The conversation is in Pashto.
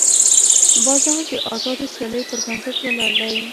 بازار د ازادې سیالۍ پر بنسټ ولاړ دی.